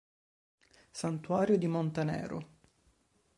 Santuario di Montenero